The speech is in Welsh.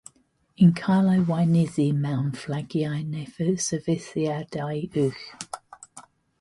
Yn cael ei weinyddu mewn Fflagiau neu Sefydliadau Uwch.